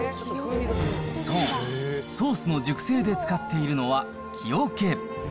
そう、ソースの熟成で使っているのは木桶。